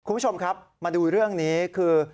คุณผู้ชมครับมาดูเรื่องนี้คือ